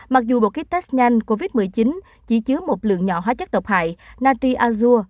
mặc dù bộ kích test nhanh covid một mươi chín chỉ chứa một lượng nhỏ hóa chất độc hại natriazur